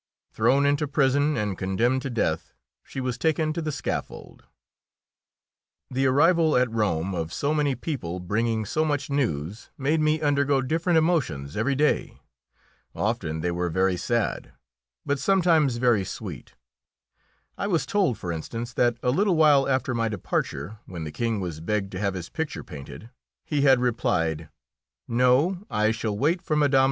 Thrown into prison and condemned to death, she was taken to the scaffold. The arrival at Rome of so many people bringing so much news made me undergo different emotions every day. Often they were very sad, but sometimes very sweet. I was told, for instance, that a little while after my departure, when the King was begged to have his picture painted, he had replied: "No, I shall wait for Mme.